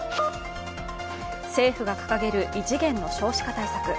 政府が掲げる異次元の少子化対策。